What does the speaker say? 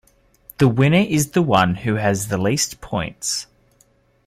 The winner is the one who has the least points.